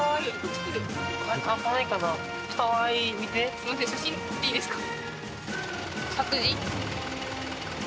すいません写真撮っていいですか？